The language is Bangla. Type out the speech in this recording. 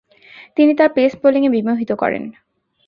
তিনি তার পেস বোলিংয়ে বিমোহিত করেন।